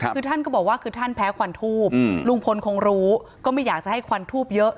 คือท่านก็บอกว่าคือท่านแพ้ควันทูบลุงพลคงรู้ก็ไม่อยากจะให้ควันทูบเยอะ